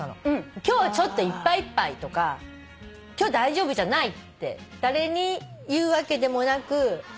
「今日ちょっといっぱいいっぱい」とか「今日大丈夫じゃない」って誰に言うわけでもなく。